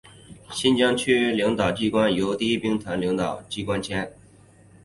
新疆军区领导机关由第一兵团领导机关兼。